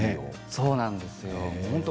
そうなんですよ。